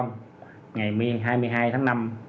ngày hai mươi hai tháng năm